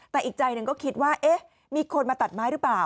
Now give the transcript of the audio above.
แต่อีกใจหนึ่งก็คิดว่าเอ๊ะมีคนมาตัดไม้หรือเปล่า